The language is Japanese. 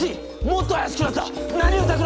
もっとあやしくなった！